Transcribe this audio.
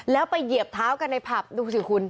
แล้วไปเหยียบเท้ากันในผับดูสิคุณ